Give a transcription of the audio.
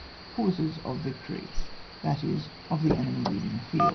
Causes of victory, that is of the enemy leaving the field.